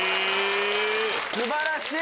素晴らしい！